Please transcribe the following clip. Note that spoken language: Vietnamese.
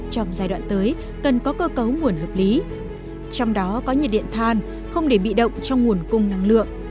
trong giai đoạn tới cần có cơ cấu nguồn hợp lý trong đó có nhiệt điện than không để bị động trong nguồn cung năng lượng